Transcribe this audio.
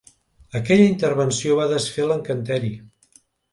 Aquella intervenció va desfer l'encanteri.